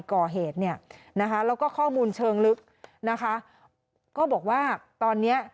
ก่อเหตุเนี่ยนะคะแล้วก็ข้อมูลเชิงลึกนะคะก็บอกว่าตอนเนี้ย